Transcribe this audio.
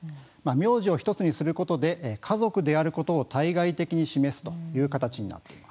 名字を１つにすることで家族であるということを対外的に示している形になっています。